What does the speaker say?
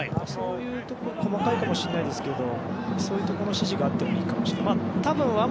細かいところかもしれないですけどそういうところの指示があってもいいかもしれません。